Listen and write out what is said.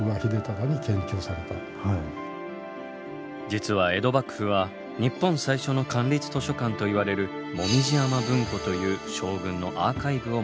実は江戸幕府は日本最初の官立図書館といわれる「紅葉山文庫」という将軍のアーカイブを持っていました。